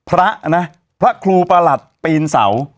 พระนะพระครูประหลัดปีนเสา